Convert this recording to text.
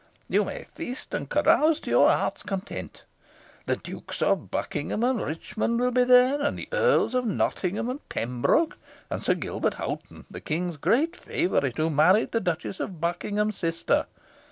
You may feast and carouse to your heart's content. The Dukes of Buckingham and Richmond will be there, and the Earls of Nottingham and Pembroke, and Sir Gilbert Hoghton, the King's great favourite, who married the Duchess of Buckingham's sister.